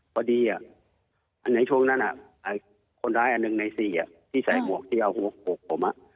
พอดีอันในช่วงนั้นคนร้ายอันหนึ่งใน๔ที่ใส่หมวกที่เอาหัวอกผม